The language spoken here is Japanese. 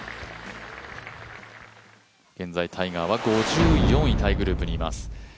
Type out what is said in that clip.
現在タイガーは５４位タイグループにいます。